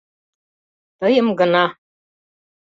Тыйым гына...